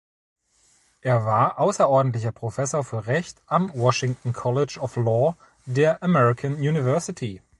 Er war außerordentlicher Professor für Recht am Washington College of Law der American University.